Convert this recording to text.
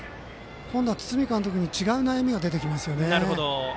今度は、堤監督に違う悩みが出てきますよね。